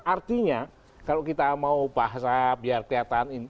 artinya kalau kita mau bahasa biar kelihatan